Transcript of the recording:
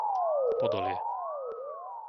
Podolie